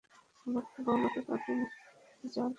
কোনো গোলাপের পাপড়ি, মুড়ে যাওয়া ফুল?